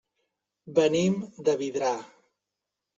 Venim de Vidrà.